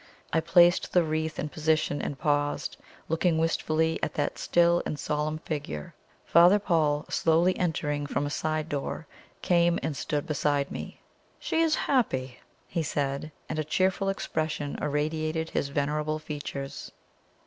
I placed the wreath in position and paused, looking wistfully at that still and solemn figure. Father Paul, slowly entering from a side door, came and stood beside me. "She is happy!" he said; and a cheerful expression irradiated his venerable features.